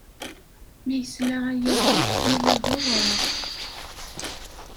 Mi yesla ayagi yuɣal d awraɣ.